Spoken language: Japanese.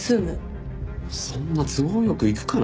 そんな都合良くいくかな？